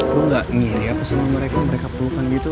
lu gak ngiri apa sama mereka yang mereka pelukan gitu